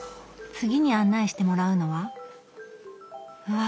次に案内してもらうのはうわ